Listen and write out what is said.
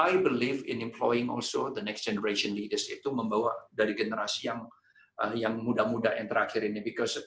i believe in employing also the next generation leaders itu membawa dari generasi yang muda muda yang terakhir ini